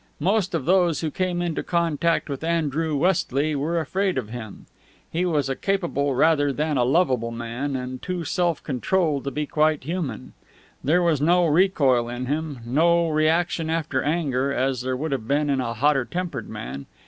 Most of those who came into contact with Andrew Westley were afraid of him. He was a capable rather than a lovable man, and too self controlled to be quite human. There was no recoil in him, no reaction after anger, as there would have been in a hotter tempered man.